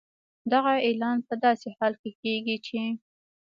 دغه اعلان په داسې حال کې کېږي چې